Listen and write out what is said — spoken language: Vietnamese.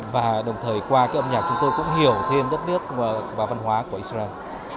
và đồng thời qua cái âm nhạc chúng tôi cũng hiểu thêm đất nước và văn hóa của israel